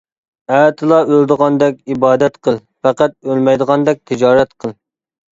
ئەتىلا ئۆلىدىغاندەك ئىبادەت قىل، پەقەت ئۆلمەيدىغاندەك تىجارەت قىل.